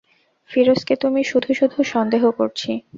ফিরোজকে তুমি শুধু-শুধু সন্দেহ করছি।